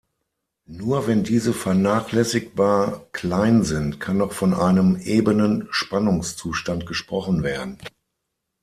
Nur wenn diese vernachlässigbar klein sind, kann noch von einem ebenen Spannungszustand gesprochen werden.